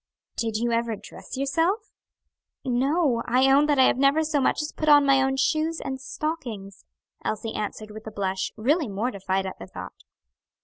"Did you ever dress yourself?" "No, I own that I have never so much as put on my own shoes and stockings," Elsie answered with a blush, really mortified at the thought.